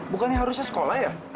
bukannya harusnya sekolah ya